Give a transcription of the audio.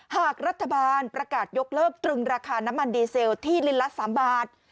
หากรัฐบาลประกาศยกเลิกตรึงราคาน้ำมันดีเซลที่ลิ้นละ๓บาท